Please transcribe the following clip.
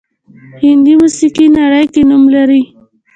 هندي موسیقي نړۍ کې نوم لري